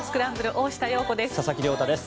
大下容子です。